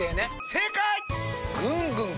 正解！